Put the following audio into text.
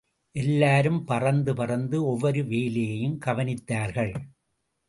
எல்லாரும் பறந்து பறந்து ஒவ்வொரு வேலையையும் கவனித்தார்கள்.